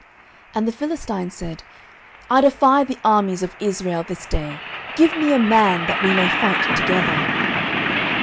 09:017:010 And the Philistine said, I defy the armies of Israel this day; give me a man, that we may fight together.